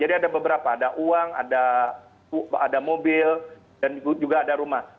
jadi ada beberapa ada uang ada mobil dan juga ada rumah